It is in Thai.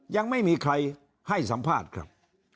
ยังไม่มีใครให้สัมภาษณ์ครับ